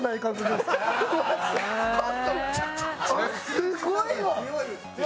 すごいわ！